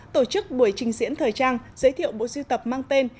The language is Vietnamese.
tổ chức buổi trình diễn thời trang giới thiệu bộ siêu tập mang tên